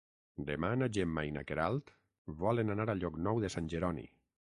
Demà na Gemma i na Queralt volen anar a Llocnou de Sant Jeroni.